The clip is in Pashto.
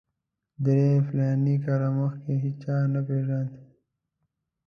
درې فلاني کاله مخکې هېچا نه پېژاند.